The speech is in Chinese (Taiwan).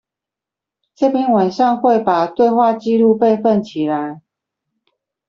這邊晚上會把對話記錄備份起來